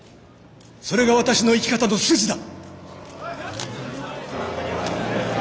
それが私の生き方の筋だ！